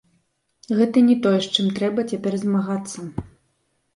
Гэта не тое, з чым трэба цяпер змагацца.